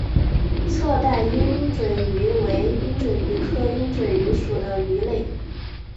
侧带鹦嘴鱼为鹦嘴鱼科鹦嘴鱼属的鱼类。